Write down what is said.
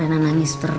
ada apa mir